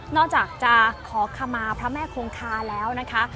อกจากจะขอขมาพระแม่คงคาแล้วนะคะ